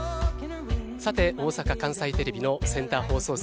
大阪・関西テレビのセンター放送席